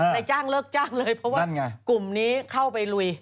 เพราะว่ากลุ่มนี้เข้าไปลุย